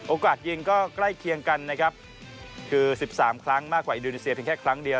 ยิงก็ใกล้เคียงกันนะครับคือ๑๓ครั้งมากกว่าอินโดนีเซียเพียงแค่ครั้งเดียว